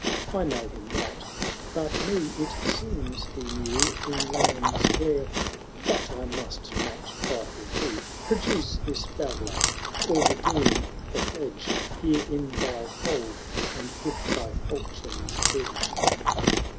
I know him not — but me it seems he knew In lands where — but I must not trifle too: Produce this babbler — or redeem the pledge, Here in thy hold, and with thy falchion's edge."